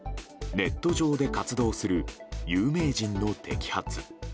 ネット上で活動する有名人の摘発。